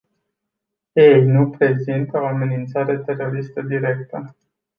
Ei nu reprezintă o amenințare teroristă directă.